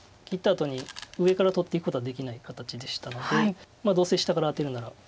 切ったあとに上から取っていくことはできない形でしたのでどうせ下からアテるなら。